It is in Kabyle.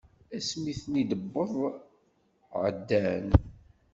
Ass mi ten-id-wweḍ ɛeddan.